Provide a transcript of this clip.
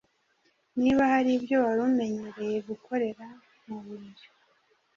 Niba hari ibyo wari umenyereye gukorera mu buriri